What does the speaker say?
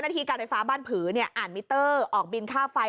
ที่การไฟฟ้าบ้านผืออ่านมิเตอร์ออกบินค่าไฟ